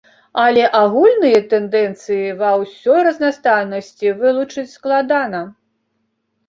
Але агульныя тэндэнцыі ва ўсёй разнастайнасці вылучыць складана.